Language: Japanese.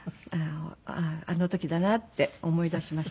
あの時だなって思い出しました。